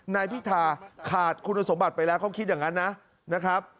นายพิธาขาดคุณสมบัติไปแล้วเขาคิดอย่างนั้นนะครับ